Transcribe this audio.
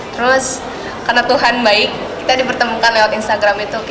terus karena tuhan baik kita dipertemukan lewat instagram itu